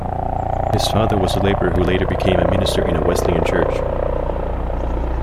His father was a labourer who later became a minister in a Wesleyan church.